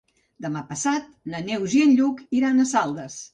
Demà passat na Neus i en Lluc iran a Saldes.